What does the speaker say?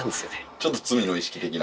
ちょっと罪の意識的な？